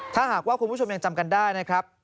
ถ้าหากว่าคุณผู้ชมยังจำกันได้นะครับ